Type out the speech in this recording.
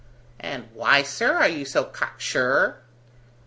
"And why, sir, are you so cock sure?"